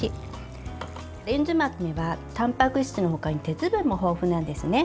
レンズ豆は、たんぱく質のほかに鉄分も豊富なんですね。